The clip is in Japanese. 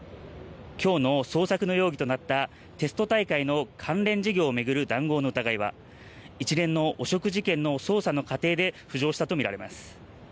きょうの捜索の容疑となったテスト大会の関連事業を巡る談合の疑いは一連の汚職事件の捜査の過程で浮上したと見られます。